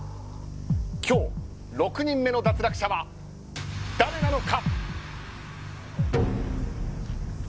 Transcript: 今日６人目の脱落者は誰なのか。